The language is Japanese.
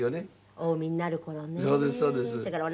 お産みになる頃ね。